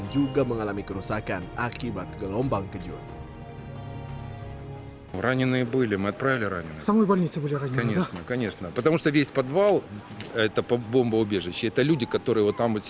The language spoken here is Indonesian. juga mengalami kerusakan akibat gelombang kejut